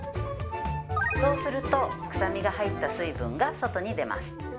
こうすると臭みが入った水分が外に出ます。